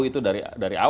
saya tidak tahu